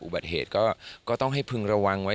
อุบัติเหตุก็ต้องให้พึงระวังไว้